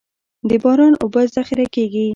د باران اوبه ذخیره کیږي